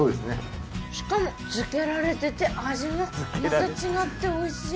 しかも漬けられてて味もまた違って美味しい。